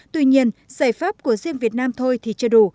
tuy nhiên giải pháp của riêng việt nam thôi thì chưa đủ